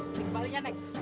ini kembalinya nek